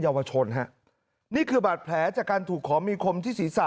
ชนฮะนี่คือบาดแผลจากการถูกขอมีคมที่ศีรษะ